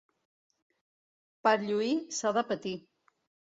Per lluir s'ha de patir.